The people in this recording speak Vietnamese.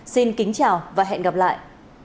xin kính chào và hẹn gặp lại